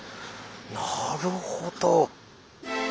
なるほど。